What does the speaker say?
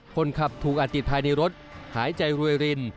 คนขับถูกอัดติดภายในรถหายใจรวยริน